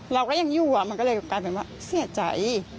เราก็ยังอยู่มันก็เลยกลายเป็นว่าเสียใจ